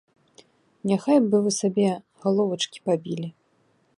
Няхай бы вы сабе галовачкі пабілі.